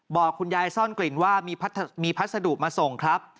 บอกคุณยายซ่อนกลิ่นว่ามีพัสดุมาส่งครับ